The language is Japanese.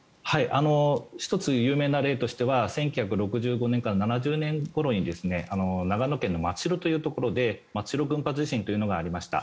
１つ、有名な例としては１９６５年から７０年ごろに長野県の松代というところで松代群発地震というのがありました。